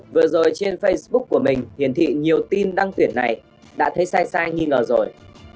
vừa rồi trên facebook của mình hiển thị nhiều tin đăng tuyển này đã thấy sai sai nghi ngờ rồi